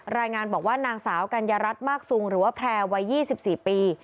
รายงานบอกว่านางสาวกัญญารัฐมากสุงหรือว่าแพร่วัย๒๔ปี